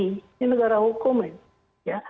ini negara hukum ya